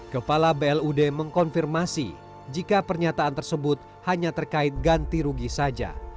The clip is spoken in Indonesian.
kepala blud mengkonfirmasi jika pernyataan tersebut hanya terkait ganti rugi saja